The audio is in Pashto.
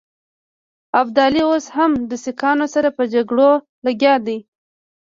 ابدالي اوس هم د سیکهانو سره په جګړو لګیا دی.